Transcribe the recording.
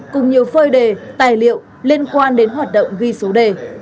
cùng nhiều phơi đề tài liệu liên quan đến hoạt động ghi số đề